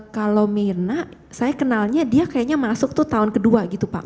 kalau myrna saya kenalnya dia kayaknya masuk tuh tahun ke dua gitu pak